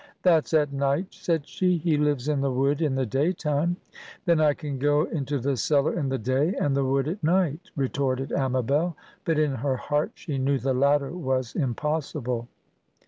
"That's at night," said she: "he lives in the wood in the daytime." "Then I can go into the cellar in the day, and the wood at night," retorted Amabel; but in her heart she knew the latter was impossible.